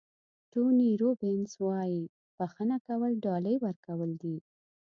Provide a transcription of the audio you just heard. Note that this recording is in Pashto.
ټوني روبینز وایي بښنه کول ډالۍ ورکول دي.